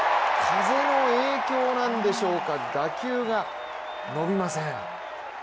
風の影響なんでしょうか打球が伸びません。